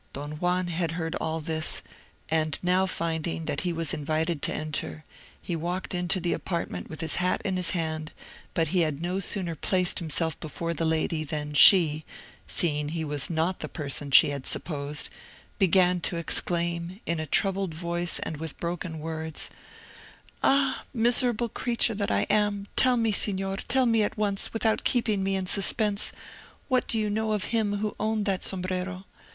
Don Juan had heard all this, and now finding that he was invited to enter, he walked into the apartment with his hat in his hand; but he had no sooner placed himself before the lady than she, seeing he was not the person she had supposed, began to exclaim, in a troubled voice and with broken words, "Ah! miserable creature that I am, tell me, Signor—tell me at once, without keeping me in suspense, what do you know of him who owned that sombrero?